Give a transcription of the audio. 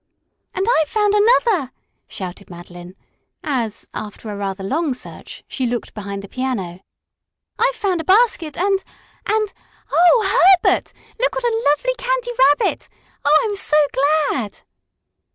"And I've found another!" shouted Madeline, as, after rather a long search, she looked behind the piano. "I've found a basket and and Oh, Herbert! look what a lovely Candy Rabbit. Oh, I'm so glad!"